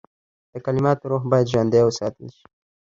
د کلماتو روح باید ژوندی وساتل شي.